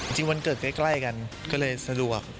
วันเกิดใกล้กันก็เลยสะดวก